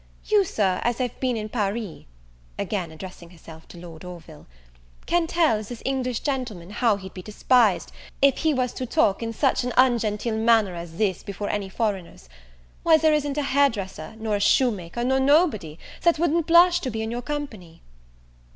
You, Sir, as have been in Paris," again addressing herself to Lord Orville, "can tell this English gentleman how he'd be despised, if he was to talk in such an ungenteel manner as this before any foreigners. Why, there isn't a hairdresser, nor a shoemaker, nor nobody, that wouldn't blush to be in your company."